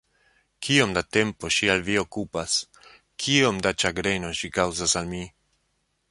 Kiom da tempo ŝi al vi okupas, kiom da ĉagreno ŝi kaŭzas al mi!